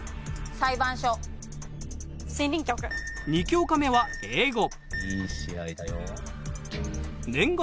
２教科目は英語。